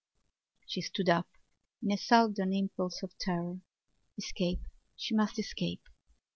She stood up in a sudden impulse of terror. Escape! She must escape!